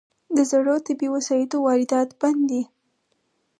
د زړو طبي وسایلو واردات بند دي؟